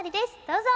どうぞ。